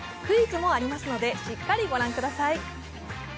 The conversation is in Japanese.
クイズもありますのでしっかり御覧ください。